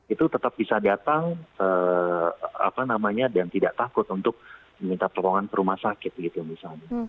itu tetap bisa datang dan tidak takut untuk meminta tolongan ke rumah sakit gitu misalnya